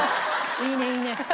いいねいいね。